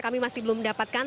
kami masih belum mendapatkan